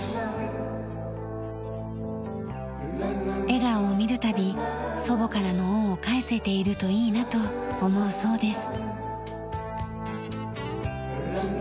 笑顔を見る度祖母からの恩を返せているといいなと思うそうです。